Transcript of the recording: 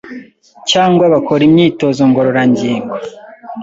cyangwa bakora imyitozo ngororangingo